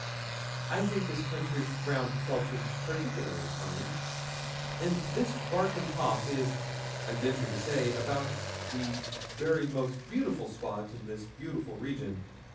I think this country round Feltram particularly fine; and this Bartram Haugh is, I venture to say, about the very most beautiful spot in this beautiful region.